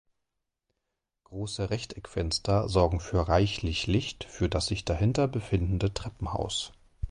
Große Rechteckfenster sorgen für reichlich Licht für das sich dahinter befindende Treppenhaus.